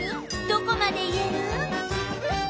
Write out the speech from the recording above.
どこまで言える？